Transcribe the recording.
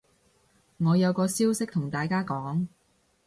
我有個消息同大家講